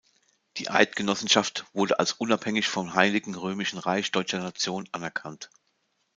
Die Eidgenossenschaft wurde als unabhängig vom Heiligen Römischen Reich Deutscher Nation anerkannt.